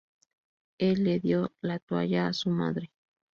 Él le dio la toalla a su madre.